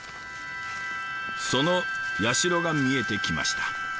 その社が見えてきました。